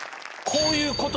こういうこと。